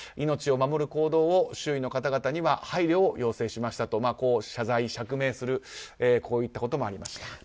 命を守る行動を、周囲の方々には配慮を要請しましたとこう謝罪釈明するといったこともありました。